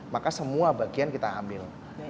maka semua bagian kita ambil